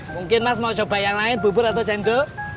mungkin mas mau coba yang lain bubur atau cendol